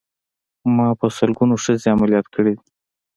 ما په سلګونو ښځې عمليات کړې دي.